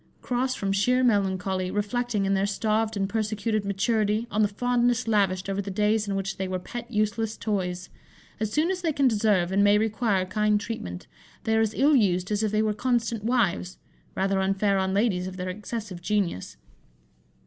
Cross from sheer melancholy, reflecting, in their starved and persecuted maturity, on the fondness lavished over the days in which they were pet useless toys; as soon as they can deserve and may require kind treatment, they are as ill used as if they were constant wives rather unfair on ladies of their excessive genius.